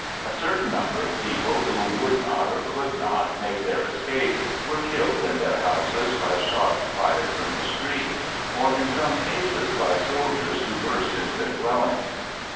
A certain number of people who would not or could not make their escape were killed in their houses by shots fired from the street, or in some cases by soldiers who burst into their dwellings.